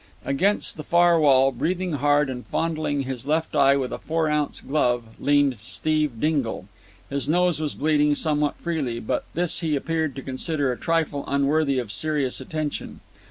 Against the far wall, breathing hard and fondling his left eye with a four ounce glove, leaned Steve Dingle. His nose was bleeding somewhat freely, but this he appeared to consider a trifle unworthy of serious attention.